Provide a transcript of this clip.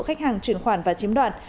khách hàng chuyển khoản và chiếm đoạt